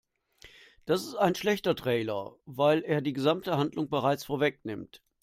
Das ist ein schlechter Trailer, weil er die gesamte Handlung bereits vorwegnimmt.